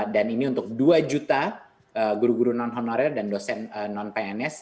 dan ini untuk dua juta guru guru non honorer dan dosen non pns